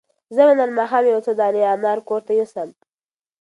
زه به نن ماښام یو څو دانې انار کور ته یوسم.